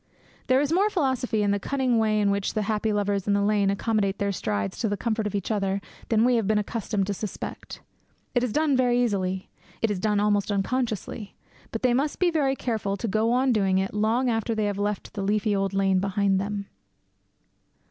There is more philosophy in the cunning way in which those happy lovers in the lane accommodate their strides to the comfort of each other than we have been accustomed to suspect. It is done very easily; it is done almost unconsciously; but they must be very careful to go on doing it long after they have left the leafy old lane behind them.